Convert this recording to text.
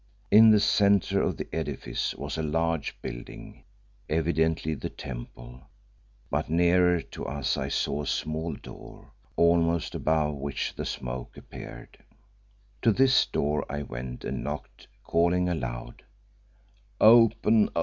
In the centre of the edifice was a large building, evidently the temple, but nearer to us I saw a small door, almost above which the smoke appeared. To this door I went and knocked, calling aloud "Open!